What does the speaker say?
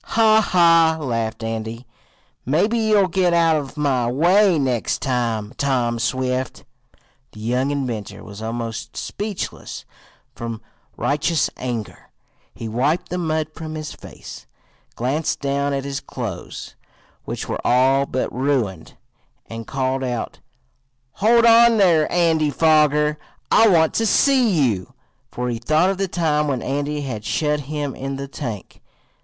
"Ha! ha!" laughed Andy. "Maybe you'll get out of my way next time, Tom Swift." The young inventor was almost speechless from righteous anger. He wiped the mud from his face, glanced down at his clothes, which were all but ruined, and called out: "Hold on there, Andy Foger! I want to see you!" for he thought of the time when Andy had shut him in the tank.